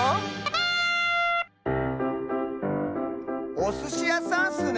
おすしやさんスね！